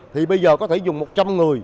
thì bây giờ có thể dùng một trăm linh người